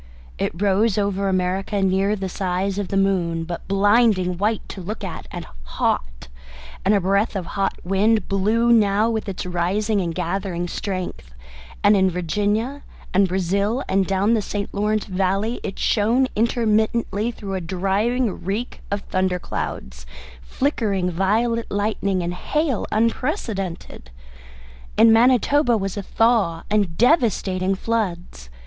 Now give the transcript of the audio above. It rose over America near the size of the moon, but blinding white to look at, and hot; and a breath of hot wind blew now with its rising and gathering strength, and in Virginia, and Brazil, and down the St. Lawrence valley, it shone intermittently through a driving reek of thunder clouds, flickering violet lightning, and hail unprecedented. In Manitoba was a thaw and devastating floods.